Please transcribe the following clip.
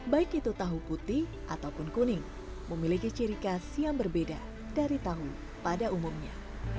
baik itu tahu putih ataupun kuning memiliki ciri khas yang berbeda dari tahu pada umumnya